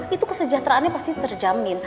itu kesejahteraannya pasti terjamin